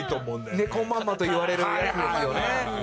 ねこまんまといわれるやつですよね。